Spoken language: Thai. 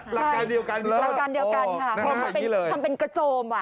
หลักการเดียวกันค่ะทำเป็นกระโจมว่ะ